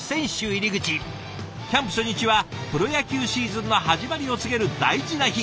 キャンプ初日はプロ野球シーズンの始まりを告げる大事な日。